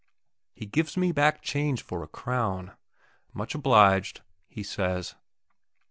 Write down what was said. He gives me back change for a crown. "Much obliged," he says.